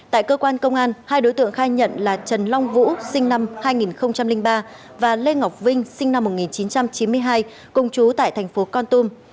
tại cơ quan công an hai đối tượng khai nhận là trần long vũ sinh năm hai nghìn ba và lê ngọc vinh sinh năm một nghìn chín trăm chín mươi hai công chú tại thành phố con tum